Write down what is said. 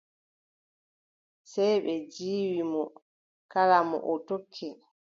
Sey ɓe ndiiwi mo. Kala mo o tokki.